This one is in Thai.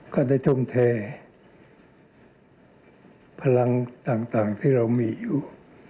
ก็ได้ทุ่มเทพลังต่างที่เรามีอยู่